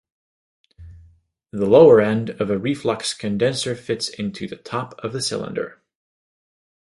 The lower end of a reflux condenser fits into the top of the cylinder.